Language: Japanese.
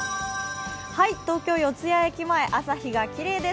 東京・四ツ谷駅前朝日がきれいです。